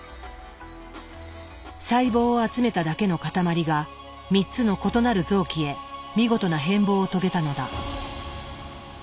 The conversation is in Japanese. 細胞を集めただけの塊が３つの異なる臓器へ見事な変貌を遂げたのだ。